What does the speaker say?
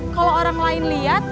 kalau orang lain lihat